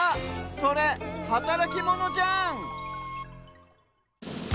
それはたらきモノじゃん！